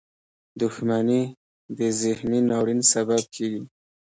• دښمني د ذهني ناورین سبب کېږي.